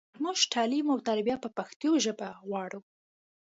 مونږ تعلیم او تربیه په پښتو ژبه غواړو.